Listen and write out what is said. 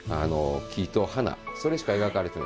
木と花それしか描かれてない。